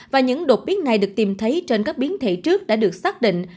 và những đột biến này được tìm thấy trên các biến thể trước đã được xác định